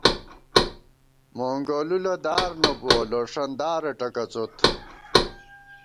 مونگولُولہ دارنہ بُوَہ ، لوݭن دارہ ٹکَڅوت